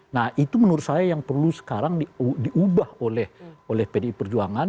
nah itu menurut saya yang perlu sekarang diubah oleh pdi perjuangan